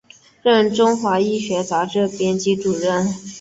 任中华医学杂志编辑主任。